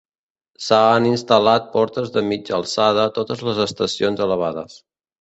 S'han instal·lat portes de mitja alçada a totes les estacions elevades.